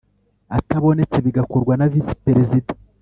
atabonetse bigakorwa na Visi Perezida